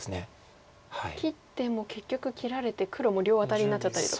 切っても結局切られて黒も両アタリになっちゃったりとか。